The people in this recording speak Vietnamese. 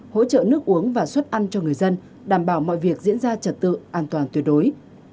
hỗ trợ nước uống và suất ăn cho người dân đảm bảo mọi việc diễn ra trật tự an toàn tuyệt đối